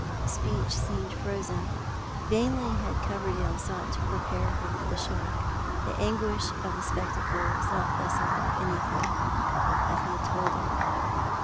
Speech seemed frozen. Vainly had Coverdale sought to prepare her for the shock. The anguish of the spectacle was not lessened by anything that he had told her.